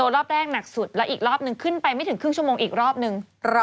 รอบแรกหนักสุดแล้วอีกรอบนึงขึ้นไปไม่ถึงครึ่งชั่วโมงอีกรอบนึง